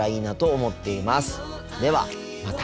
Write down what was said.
ではまた。